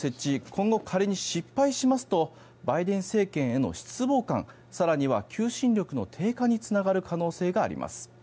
今後、仮に失敗しますとバイデン政権への失望感更には求心力の低下につながる可能性があります。